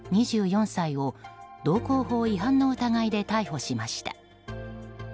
２４歳を道交法違反の疑いで逮捕しました。